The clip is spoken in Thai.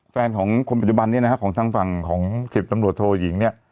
แฟนของคนปัจจุบันเนี่ยนะฮะของทางฝั่งของ๑๐ตำรวจโทยิงเนี่ย